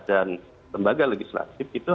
dan lembaga legislatif itu